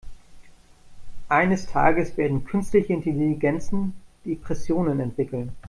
Eines Tages werden künstliche Intelligenzen Depressionen entwickeln.